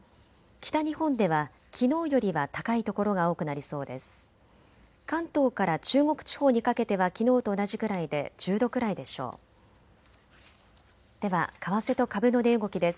北日本ではきのうよりは高い所が多くなりそうです。